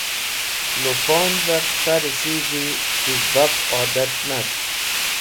Luponve Qasa Risidhi chiz Baf Odat Nast